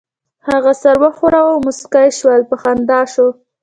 هغې سر وښوراوه او موسکۍ شول، په خندا شوه.